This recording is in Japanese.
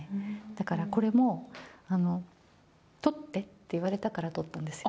だから、これも撮ってって言われたから撮ったんですよ。